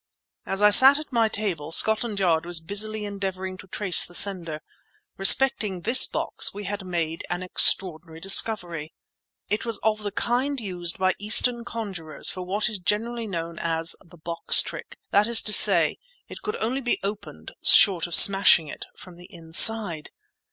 (As I sat at my table, Scotland Yard was busy endeavouring to trace the sender.) Respecting this box we had made an extraordinary discovery. It was of the kind used by Eastern conjurors for what is generally known as "the Box Trick." That is to say, it could only be opened (short of smashing it) from the inside!